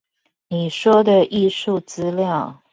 你說的藝術資料